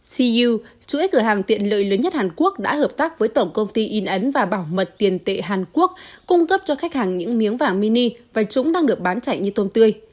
cu chuỗi cửa hàng tiện lợi lớn nhất hàn quốc đã hợp tác với tổng công ty in ấn và bảo mật tiền tệ hàn quốc cung cấp cho khách hàng những miếng vàng mini và chúng đang được bán chạy như tôm tươi